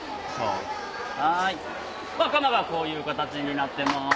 はいカマがこういう形になってます。